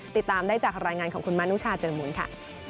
ติดตามได้จากรายงานของคุณมานุชาเจอมูลค่ะ